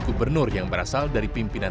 gubernur yang berasal dari pimpinan